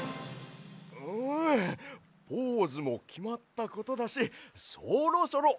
うんポーズもきまったことだしそろそろほんのはなしを。